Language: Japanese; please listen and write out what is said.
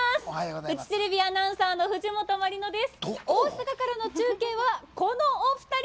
フジテレビアナウンサーの藤本万梨乃です。